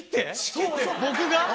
僕が？